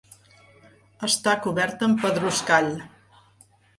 Està coberta amb pedruscall.